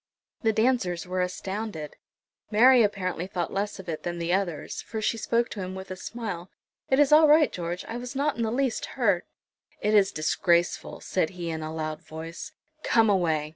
The dancers were astounded. Mary apparently thought less of it than the others, for she spoke to him with a smile. "It is all right, George; I was not in the least hurt." "It is disgraceful!" said he, in a loud voice; "come away."